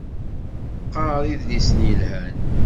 Qqar idlisen yelhan.